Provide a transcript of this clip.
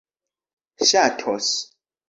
ŝatos